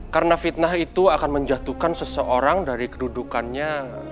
karena fitnah itu akan menjatuhkan seseorang dari kedudukannya